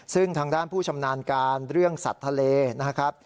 ซึ่งทางด้านผู้ชำนาญการเรื่องสัตว์ทะเลนะครับ